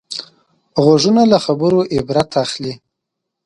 غوږونه له خبرو عبرت اخلي